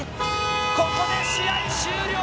ここで試合終了。